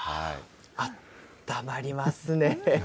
あったまりますね。